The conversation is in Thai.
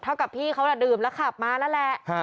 กับพี่เขาดื่มแล้วขับมานั่นแหละ